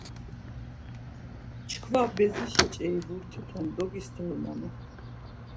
Çkva bezişi ç̌eri bultite dogisterunani?.